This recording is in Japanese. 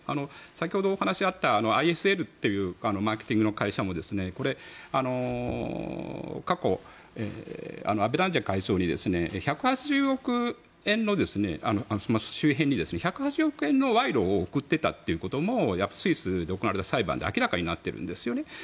先ほど、お話にあったＩＳＬというマーケティングの会社も過去、当時の会長に１８０億円の賄賂を贈っていたということもやっぱりスイスで行われた裁判で明らかになっているんですね。